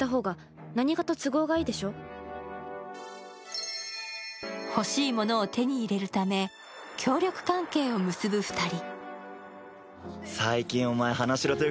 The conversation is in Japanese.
すると欲しいものを手に入れるため協力関係を結ぶ２人。